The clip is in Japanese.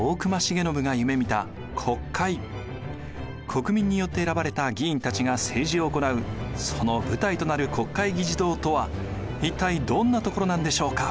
国民によって選ばれた議員たちが政治を行うその舞台となる国会議事堂とは一体どんなところなんでしょうか？